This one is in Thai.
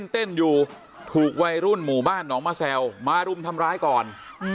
เต้นอยู่ถูกวัยรุ่นหมู่บ้านหนองมะแซวมารุมทำร้ายก่อน